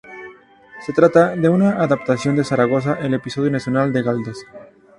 Se trata de una adaptación de "Zaragoza", el Episodio Nacional de Galdós.